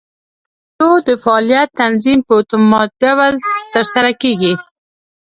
د غدو د فعالیت تنظیم په اتومات ډول تر سره کېږي.